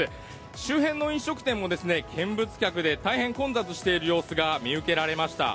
周辺の飲食店も見物客で大変混雑している様子が見受けられました。